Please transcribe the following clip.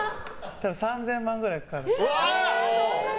３０００万くらいかかる。